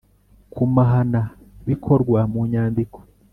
Kumuhana bikorwa mu nyandiko